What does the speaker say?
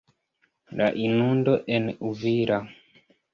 La inundo en Uvira.